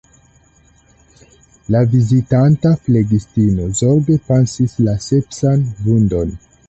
La vizitanta flegistino zorge pansis la sepsan vundon.